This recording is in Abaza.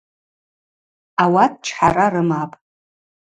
Ауат чхӏара рымапӏ.